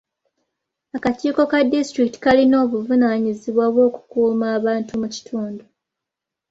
Akakiiko ka disitulikiti kalina obuvunaanyizibwa bw'okukuuma abantu mu kitundu.